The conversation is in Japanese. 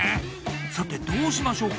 さてどうしましょうか。